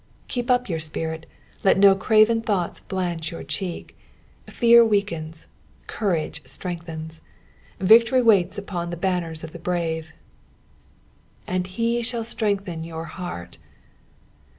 Keep up your spirit, let no craven thoughts blanch your cheek. Fear weakens, courage BtreoKthens. Victory waita upon the banners of the brave. "And he lAoU itrengutea your heart."